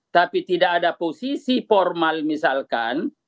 tapi tidak ada posisi formal misalkan